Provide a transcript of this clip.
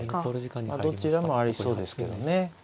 どちらもありそうですけどね。